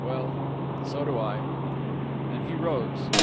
Well, so do I...." And he rose.